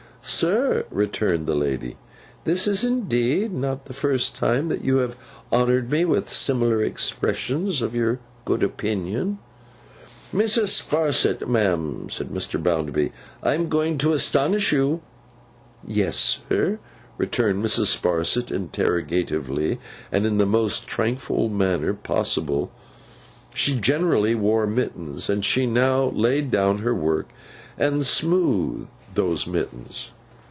'Sir,' returned the lady, 'this is indeed not the first time that you have honoured me with similar expressions of your good opinion.' 'Mrs. Sparsit, ma'am,' said Mr. Bounderby, 'I am going to astonish you.' 'Yes, sir?' returned Mrs. Sparsit, interrogatively, and in the most tranquil manner possible. She generally wore mittens, and she now laid down her work, and smoothed those mittens.